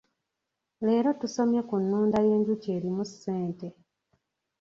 Leero tusomye ku nnunda y’enjuki erimu ssente.